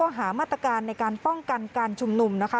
แล้วก็หามาตรการในการป้องกันการชมหนุ่มนะคะ